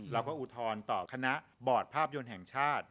เราก็อุทธรณ์ต่อคณะบอดภาพยนต์แห่งชาติ